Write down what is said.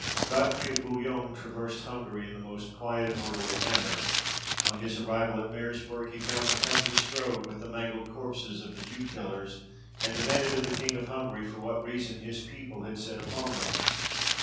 Godfrey of Bouillon traversed Hungary in the most quiet and orderly manner. On his arrival at Mersburg he found the country strewed with the mangled corpses of the Jew killers, and demanded of the king of Hungary for what reason his people had set upon them.